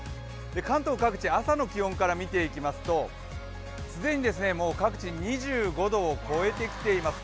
関東各地、朝の気温から見ていきますと既に各地、２５度を超えてきています